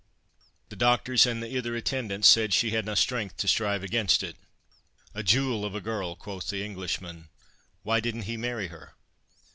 The doctors and the ither attendants said she hadna the strength to strive against it." "A jewel of a girl!" quoth the Englishman; "why didn't he marry her?"